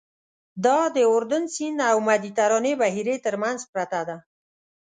دا د اردن سیند او مدیترانې بحیرې تر منځ پرته ده.